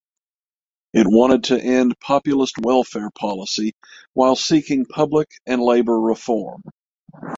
It wanted to end populist welfare policy while seeking public and labour reform.